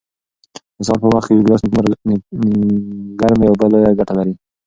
د سهار په وخت کې یو ګیلاس نیمګرمې اوبه لویه ګټه لري.